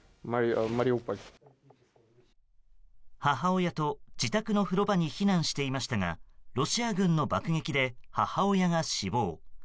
母親と自宅の風呂場に避難していましたがロシア軍の爆撃で母親が死亡。